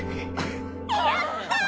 やった！